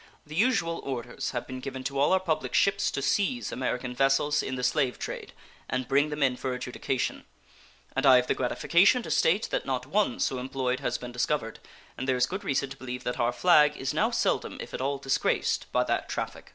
The usual orders have been given to all our public ships to seize American vessels in the slave trade and bring them in for adjudication, and I have the gratification to state that not one so employed has been discovered, and there is good reason to believe that our flag is now seldom, if at all, disgraced by that traffic.